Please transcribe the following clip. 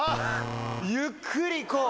ゆっくり、こう。